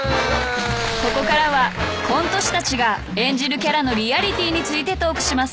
［ここからはコント師たちが演じるキャラのリアリティーについてトークします］